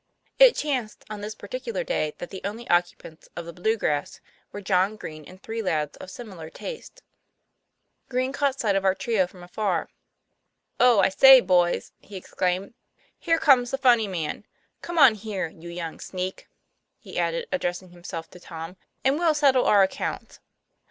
It chanced on this particular day that the only oc cupants of the " Blue grass" were John Green and three lads of similar taste. Green caught sight of our trio from afar. "Oh, I say, boys," he exclaimed, " here comes the funny man. Come on here, you young sneak," he added, addressing himself to Tom, "and we'll settle our accounts."